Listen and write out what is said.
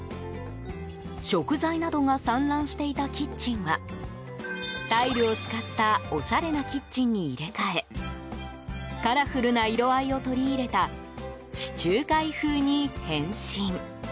食材などが散乱していたキッチンはタイルを使ったおしゃれなキッチンに入れ替えカラフルな色合いを取り入れた地中海風に変身。